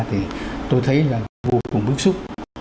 thì tôi thấy là vô cùng bức xúc